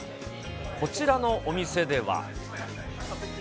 こちらのお店では。